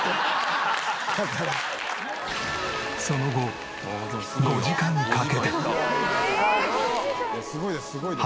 その後５時間かけて。